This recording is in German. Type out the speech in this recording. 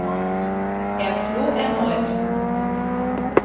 Er floh erneut.